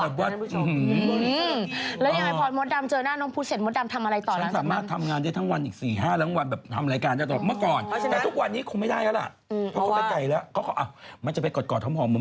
เขาต้องวิ่งวันละ๖กิโลกรัมเห็นไหม